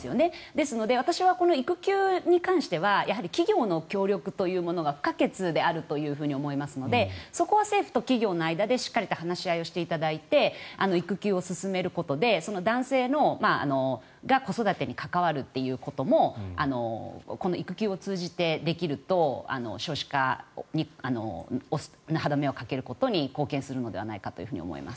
ですので、私は育休に関しては企業の協力というものが不可欠であるというふうに思いますのでそこは政府と企業の間でしっかりと話し合いをしていただいて育休を進めることで、男性が子育てに関わるということもこの育休を通じてできると少子化の歯止めをかけることに貢献するのではないかと思います。